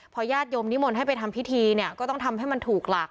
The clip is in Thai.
พอญาติโยมนิมนต์ให้ไปทำพิธีเนี่ยก็ต้องทำให้มันถูกหลัก